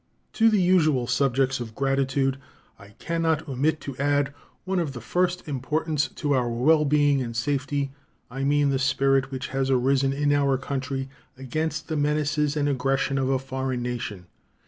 To the usual subjects of gratitude I can not omit to add one of the first importance to our well being and safety; I mean that spirit which has arisen in our country against the menaces and aggression of a foreign nation.